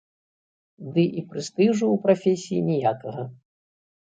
Ды і прэстыжу ў прафесіі ніякага.